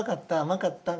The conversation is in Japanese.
甘かった？」